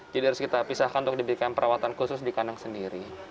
jadi harus kita pisahkan untuk diberikan perawatan khusus di kandang sendiri